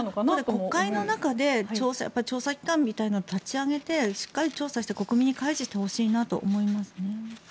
国会の中で調査機関みたいなのを立ち上げてしっかり調査して、国民に開示してほしいなと思いますね。